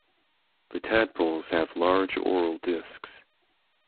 The tadpoles have large oral discs.